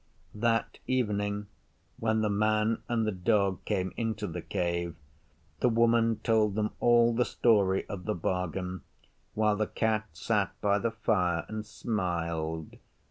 That evening when the Man and the Dog came into the Cave, the Woman told them all the story of the bargain while the Cat sat by the fire and smiled.